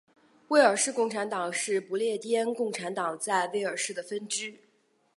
威尔士共产党是不列颠共产党在威尔士的分支。